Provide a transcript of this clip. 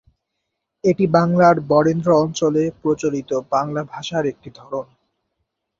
এটি বাংলার বরেন্দ্র অঞ্চলে প্রচলিত বাংলা ভাষার একটি ধরন।